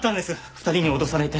２人に脅されて。